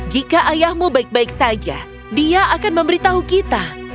jika ayahmu baik baik saja dia akan memberitahu kita